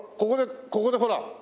ここでここでほら！